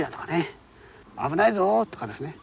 「危ないぞ！」とかですね